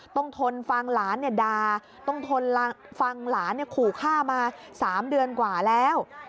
ทนฟังหลานด่าต้องทนฟังหลานขู่ฆ่ามา๓เดือนกว่าแล้ว